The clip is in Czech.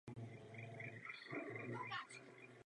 Po většinu roku je hora pokrytá sněhem.